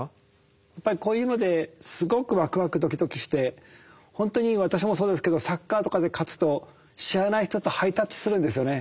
やっぱりこういうのですごくワクワクドキドキして本当に私もそうですけどサッカーとかで勝つと知らない人とハイタッチするんですよね。